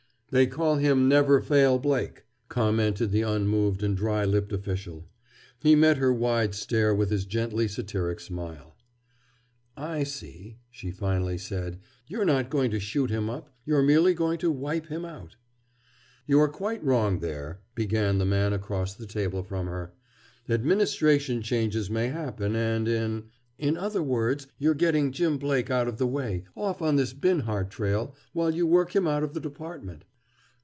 "They call him Never Fail Blake," commented the unmoved and dry lipped official. He met her wide stare with his gently satiric smile. "I see," she finally said, "you're not going to shoot him up. You're merely going to wipe him out." "You are quite wrong there," began the man across the table from her. "Administration changes may happen, and in—" "In other words, you're getting Jim Blake out of the way, off on this Binhart trail, while you work him out of the Department."